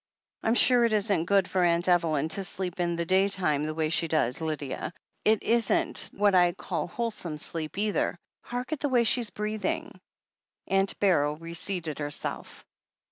"I'm sure it isn't good for Aunt Evelyn to sleep in the day time the way she does, Lydia. It isn't what I call wholesome sleep either — ^hark at the way she's breathing !" Aimt Beryl reseated herself.